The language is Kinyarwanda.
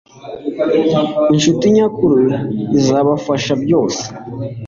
inshuti nyakuri zizabafasha byose